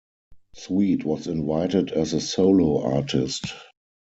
Sweet was invited as a solo artist.